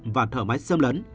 và thở máy xâm lấn